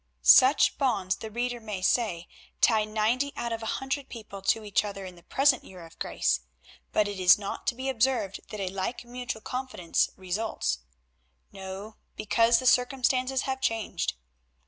Such bonds the reader may say, tie ninety out of every hundred people to each other in the present year of grace, but it is not to be observed that a like mutual confidence results. No, because the circumstances have changed.